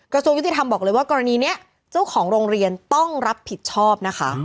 กระทรวงยุติธรรมบอกเลยว่ากรณีนี้เจ้าของโรงเรียนต้องรับผิดชอบนะคะ